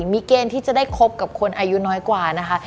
มีเกณฑ์ที่จะได้คบกับคนอายุน้อยกว่านะคะ